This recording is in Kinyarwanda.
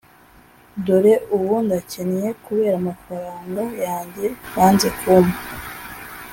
dore ubu ndakennye kubera amafaranga yanjye banze kumpa